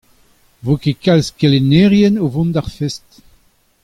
Ne vo ket kalz kelennerien o vont d'ar fest.